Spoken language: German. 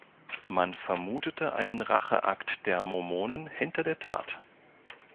Man vermutete einen Racheakt der Mormonen hinter der Tat.